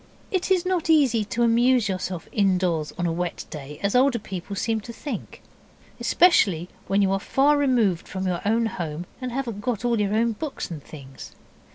It is not easy to amuse yourself indoors on a wet day as older people seem to think, especially when you are far removed from your own home, and haven't got all your own books and things.